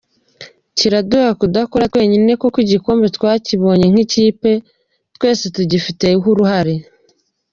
Kiraduha kudakora twenyine kuko igikombe twakibonye nk’ikipe, twese tugifiteho uruhare.